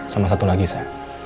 sama satu lagi sa